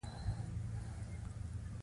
د مسترۍ او نجارۍ کارونه شته